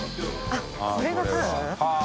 あっこれがはぁ。